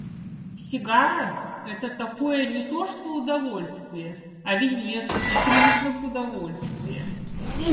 Сигара — это такое не то что удовольствие, а венец и признак удовольствия.